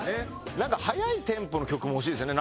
なんか速いテンポの曲も欲しいですよね。